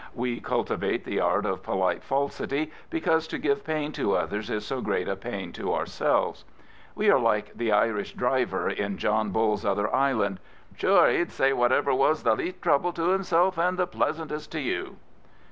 We cultivate the art of polite faj^ty, because to give pain to others is so great a pain to ourselves. We are like the Irish driver in John IBulVs Other Island —" Sure he'd say whatever was the least trouble to himself and the pleasantest to you."